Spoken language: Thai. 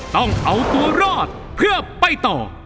ต้องเอาตัวรอดเพื่อไปต่อ